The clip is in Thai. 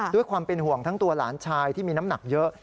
ด้วยความเป็นห่วงทั้งตัวหลานชายที่มีน้ำหนักเยอะ